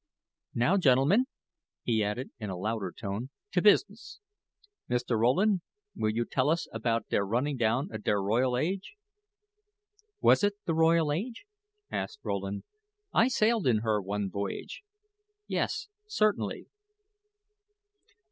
Now, gentlemen," he added, in a louder tone, "to pizness. Mr. Rowland, will you tell us about der running down of der Royal Age?" "Was it the Royal Age?" asked Rowland. "I sailed in her one voyage. Yes, certainly."